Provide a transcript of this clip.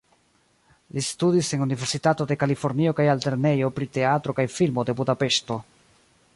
Li studis en Universitato de Kalifornio kaj Altlernejo pri Teatro kaj Filmo de Budapeŝto.